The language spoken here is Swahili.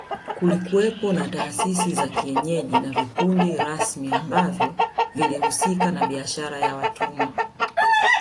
Kulikuwepo na taasisi za kienyeji na vikundi rasmi ambavyo vilihusika na biashara ya watumwa